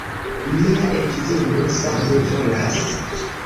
Mia edzino same volas.